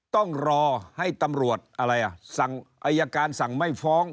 ต้องรอให้ตำรวจอะไรอ่ะสั่งอายการสั่งไม่ฟ้อง